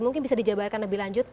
mungkin bisa dijabarkan lebih lanjut